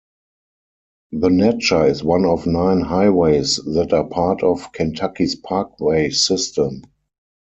The Natcher is one of nine highways that are part of Kentucky's parkway system.